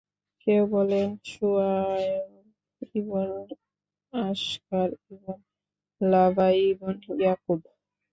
কেউ বলেন, শুআয়ব ইবন য়াশখার ইবন লাবায় ইবন ইয়াকূব।